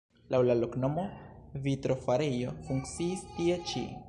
Laŭ la loknomo vitrofarejo funkciis tie ĉi.